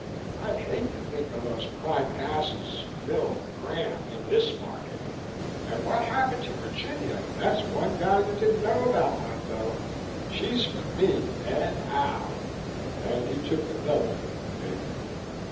I hate to think of those prime asses, Phil and Graham, in this market. And what happened to Virginia? That's one gal you didn't know about, Ponto. She's for me, and how!" He took another look at the paper.